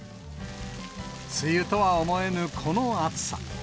梅雨とは思えぬこの暑さ。